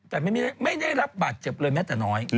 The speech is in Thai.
แต่ไม่ได้รับบาดเจ็บเลยแม้แต่น้อย